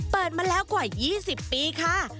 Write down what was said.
เปิดมาแล้วกว่า๒๐ปีค่ะ